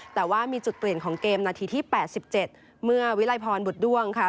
แต่ว่ามีจุดเปลี่ยนของเกมนาทีที่๘๗เมื่อวิลัยพรบุตรด้วงค่ะ